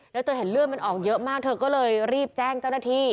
แล้วเธอเห็นเลือดมันออกเยอะมากเธอก็เลยรีบแจ้งเจ้าหน้าที่